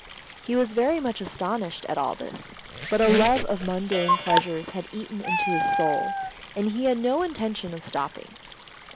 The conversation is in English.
He was very much astonished at all this, but a love of mundane pleasures had eaten into his soul, and he had no intention of stopping.